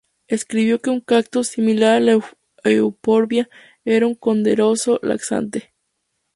Escribió que un cactus, similar a la "Euphorbia", era un poderoso laxante.